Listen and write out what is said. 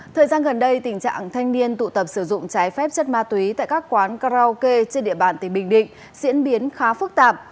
thời gian gần đây tình trạng thanh niên tụ tập sử dụng trái phép chất ma túy tại các quán karaoke trên địa bàn tỉnh bình định diễn biến khá phức tạp